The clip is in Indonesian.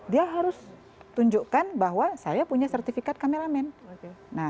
dia harus tunjukkan bahwa saya punya sertifikat kameramen